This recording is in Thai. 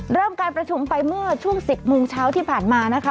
เริ่มการประชุมไปเมื่อช่วง๑๐โมงเช้าที่ผ่านมานะคะ